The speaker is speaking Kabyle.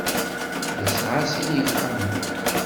Yesɛa sin n yixxamen.